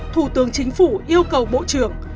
thủ tướng chính phủ yêu cầu bộ trưởng